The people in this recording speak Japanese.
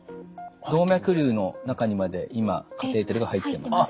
動脈瘤の中にまで今カテーテルが入ってます。